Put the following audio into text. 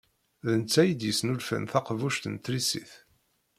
D netta i d-yesnulfan taqbuct n trisit.